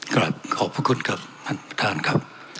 ครับขอบคุณครับท่านครับ